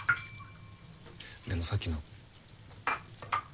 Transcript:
でもさっきの。